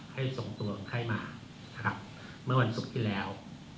ให้ส่งตัวคนไข้มานะครับเมื่อวันศุกร์ที่แล้ว